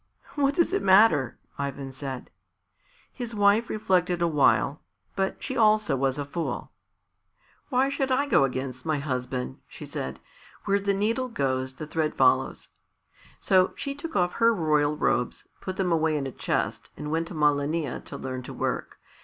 "What does it matter?" Ivan said. His wife reflected awhile, but she was also a fool. "Why should I go against my husband?" she said. "Where the needle goes, the thread follows." So she took off her royal robes, put them away in a chest and went to Malania to learn to work.